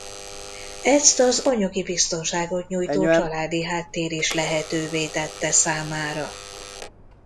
Ezt az anyagi biztonságot nyújtó családi háttér is lehetővé tette számára.